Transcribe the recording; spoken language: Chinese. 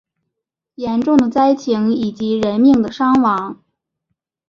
严重的灾情以及人命的伤亡